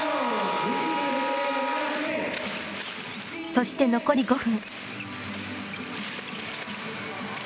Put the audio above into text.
そして残り５分。